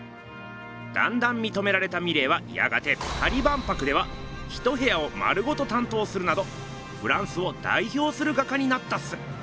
だんだんみとめられたミレーはやがてパリ万博では一部屋を丸ごと担当するなどフランスをだいひょうする画家になったっす。